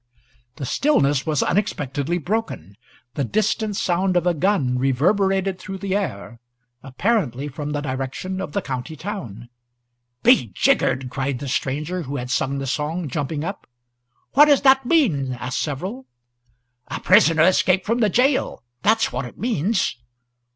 The stillness was unexpectedly broken. The distant sound of a gun reverberated through the air, apparently from the direction of the county town. "Be jiggered!" cried the stranger who had sung the song, jumping up. "What does that mean?" asked several. "A prisoner escaped from the gaol that 's what it means."